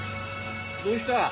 どうした？